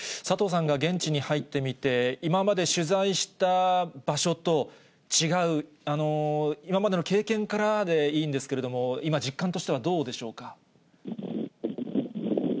佐藤さんが現地に入ってみて、今まで取材した場所と、違う、今までの経験からでいいんですけれども、今、実感としてはどうでしょうか。